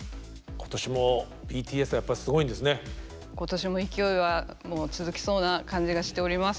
今年も勢いは続きそうな感じがしております。